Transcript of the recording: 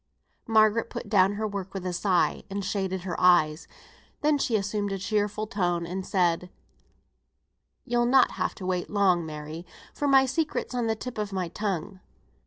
Margaret put down her work with a sigh, and shaded her eyes. Then she assumed a cheerful tone, and said, "You'll not have to wait long, Mary, for my secret's on the tip of my tongue.